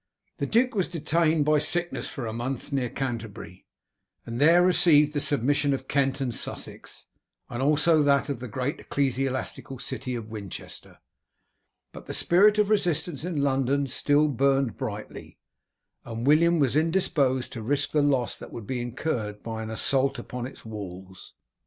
The duke was detained by sickness for a month near Canterbury, and there received the submission of Kent and Sussex, and also that of the great ecclesiastical city of Winchester; but the spirit of resistance in London still burned brightly, and William was indisposed to risk the loss that would be incurred by an assault upon its walls.